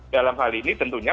dalam hal ini tentunya